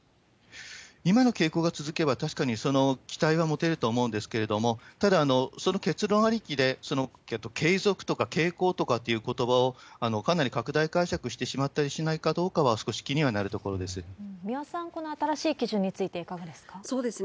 今の傾向が続けば、確かにその期待は持てると思うんですけれども、ただ、その結論ありきで継続とか傾向とかということばを、かなり拡大解釈してしまったりしまったりしないかどうかは、三輪さん、この新しい基準にそうですね。